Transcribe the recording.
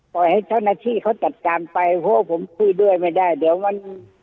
ให้เจ้าหน้าที่เขาจัดการไปเพราะผมคุยด้วยไม่ได้เดี๋ยวมัน